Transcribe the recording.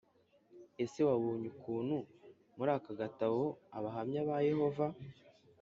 Ese wabonye ukuntu muri aka gatabo Abahamya ba Yehova